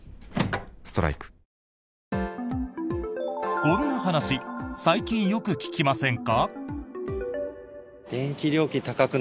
こんな話最近よく聞きませんか？